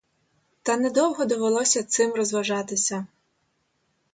Та недовго довелося цим розважатися.